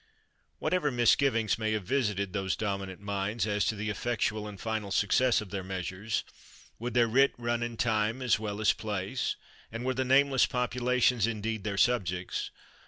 Whatever misgivings may have visited those dominant minds as to the effectual and final success of their measures would their writ run in time as well as place, and were the nameless populations indeed their subjects?